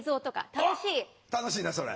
楽しいなあそれ。